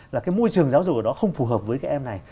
là cái môi trường giáo dục của nó không phù hợp với em này